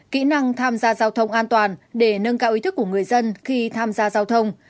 kỹ năng tham gia giao thông an toàn để nâng cao ý thức của người dân khi tham gia giao thông